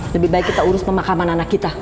lebih baik kita urus pemakaman anak kita